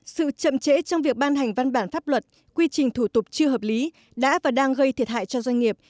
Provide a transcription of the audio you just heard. sự chậm chế trong việc ban hành văn bản pháp luật quy trình thủ tục chưa hợp lý đã và đang gây thiệt hại cho doanh nghiệp